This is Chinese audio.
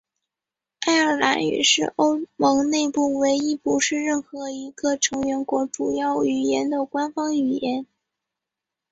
爱尔兰语是欧盟内部唯一不是任何一个成员国主要语言的官方语言。